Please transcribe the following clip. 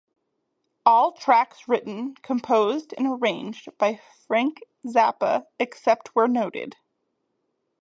All tracks written, composed and arranged by Frank Zappa, except where noted.